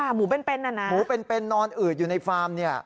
หมูเป็นนอนอืดอยู่ในฟาร์ม